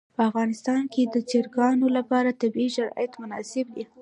په افغانستان کې د چرګان لپاره طبیعي شرایط مناسب دي.